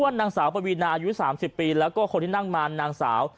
นางสาวปวีนาอายุ๓๐ปีแล้วก็คนที่นั่งมานางสาว